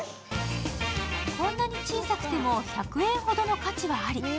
こんなに小さくても１００円ほどの価値はあり。